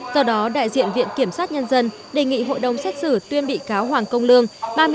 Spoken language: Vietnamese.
do đó đại diện viện kiểm sát nhân dân đề nghị hội đồng xét xử tuyên bị cáo hoàng công lương